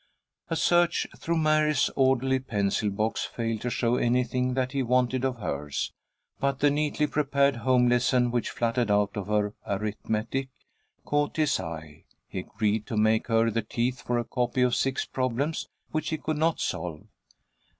A search through Mary's orderly pencil box failed to show anything that he wanted of hers, but the neatly prepared home lesson which fluttered out of her arithmetic caught his eye. He agreed to make her the teeth for a copy of six problems which he could not solve.